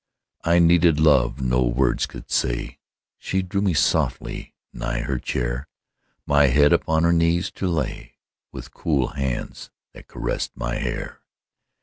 I needed love no words could say; She drew me softly nigh her chair, My head upon her knees to lay, With cool hands that caressed my hair.